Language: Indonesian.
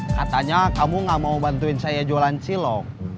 katanya kamu gak mau bantuin saya jualan cilok